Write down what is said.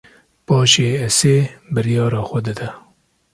Paşê Esê biryara xwe dide